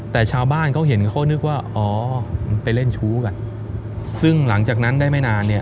แต่ชาวบ้านเขาเห็นเขานึกว่าอ๋อไปเล่นชู้กันซึ่งหลังจากนั้นได้ไม่นานเนี่ย